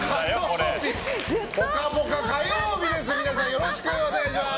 よろしくお願いします。